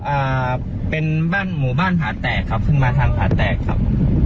อ่าเป็นบ้านหมู่บ้านผาแตกครับขึ้นมาทางผาแตกครับ